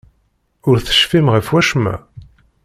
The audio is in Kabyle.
Ur tecfim ɣef wacemma?